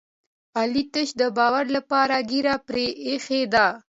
علي تش د باور لپاره ږېره پرې ایښې ده.